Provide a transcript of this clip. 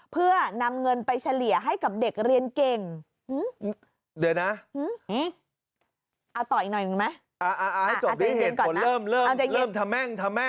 เพื่อนำเงินไปเฉลี่ยให้กับเด็กเรียนเก่งเดี๋ยวนะเอาต่ออีกหน่อยหนึ่งไหม